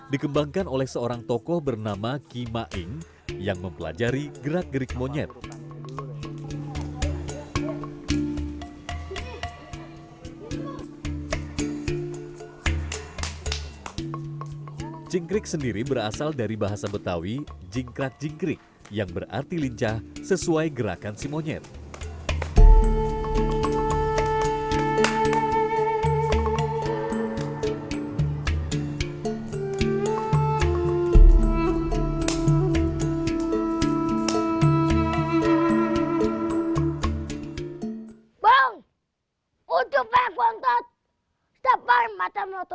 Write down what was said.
dalam legenda sipitung disebutkan bahwa pendekar yang bernama asli salihun ini lahir di rawabelok